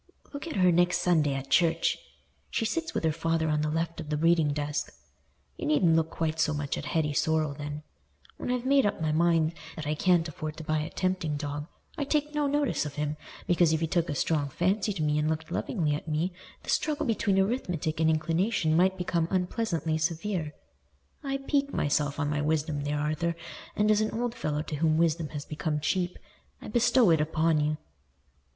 "Look at her next Sunday at church—she sits with her father on the left of the reading desk. You needn't look quite so much at Hetty Sorrel then. When I've made up my mind that I can't afford to buy a tempting dog, I take no notice of him, because if he took a strong fancy to me and looked lovingly at me, the struggle between arithmetic and inclination might become unpleasantly severe. I pique myself on my wisdom there, Arthur, and as an old fellow to whom wisdom had become cheap, I bestow it upon you."